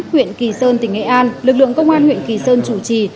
huyện kỳ sơn tỉnh nghệ an lực lượng công an huyện kỳ sơn chủ trì